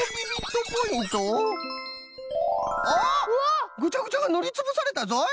おっぐちゃぐちゃがぬりつぶされたぞい！